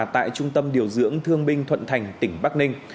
tại trung tâm điều dưỡng thương binh thuận thành tỉnh bắc ninh